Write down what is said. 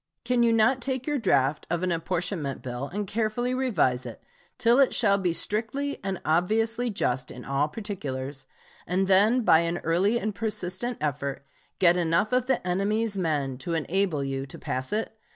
Can you not take your draft of an apportionment bill and carefully revise it till it shall be strictly and obviously just in all particulars, and then by an early and persistent effort get enough of the enemies' men to enable you to pass it?